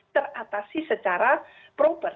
teratasi secara proper